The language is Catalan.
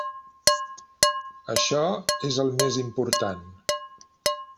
Això és el més important.